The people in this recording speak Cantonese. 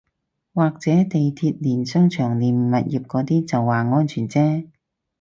或者地鐵連商場連物業嗰啲就話安全啫